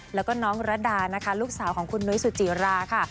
แล้วก็น้องระดานะคะลูกสาวของคุณนุ้ยสุจิราค่ะ